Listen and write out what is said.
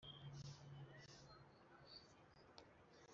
Uyu munsi nimwigomeka kuri ntakabuza muzahanwa